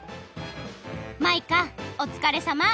マイカおつかれさま！